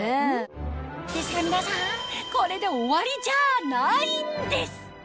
ですが皆さんこれで終わりじゃないんです